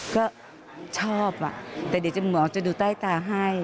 ก็ชอบแต่เดี๋ยวหมอจะดูใต้ตาให้